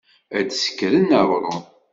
Ad sekren aɣṛum.